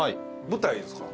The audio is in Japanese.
舞台ですか？